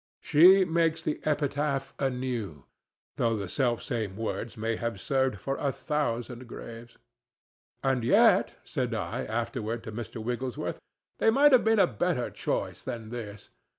She makes the epitaph anew, though the selfsame words may have served for a thousand graves. "And yet," said I afterward to Mr. Wigglesworth, "they might have made a better choice than this.